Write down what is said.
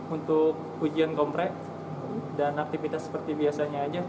untuk ujian kompleks dan aktivitas seperti biasanya saja